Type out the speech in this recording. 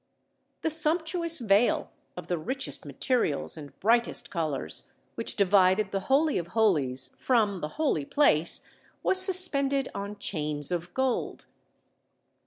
The sumptuous veil, of the richest materials and brightest colors, which divided the Holy of Holies from the Holy Place was suspended on chains of gold.